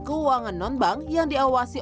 keuangan non bank yang diawasi